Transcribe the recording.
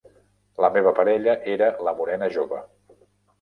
La meva parella era la morena jove.